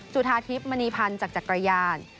จุธาทิพย์มณีพันธ์จากจักรยาน